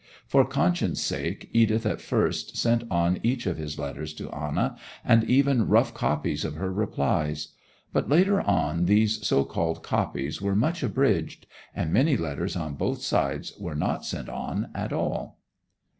For conscience' sake Edith at first sent on each of his letters to Anna, and even rough copies of her replies; but later on these so called copies were much abridged, and many letters on both sides were not sent on at all.